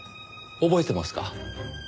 覚えてますか？